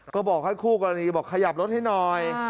ก็บอกให้คู่กรณีบอกขยับรถให้หน่อย